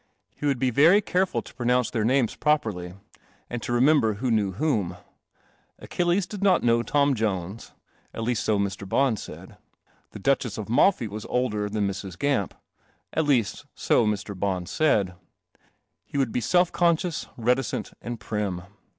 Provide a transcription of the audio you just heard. He would be very careful to pronounce their names properly, and to remember who knew whom. Achilles did not know Tom Jones — at least, so Mr. Bons said. The Duchess of Malfi was older than Mrs. Gamp — at least, so Mr. Bons said. He would be self conscious, reticent, and prim.